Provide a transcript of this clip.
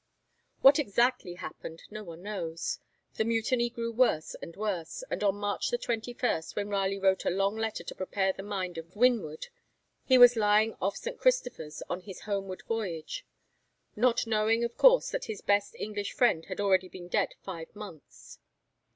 What exactly happened no one knows. The mutiny grew worse and worse, and on March 21, when Raleigh wrote a long letter to prepare the mind of Winwood, he was lying off St. Christopher's on his homeward voyage; not knowing of course that his best English friend had already been dead five months.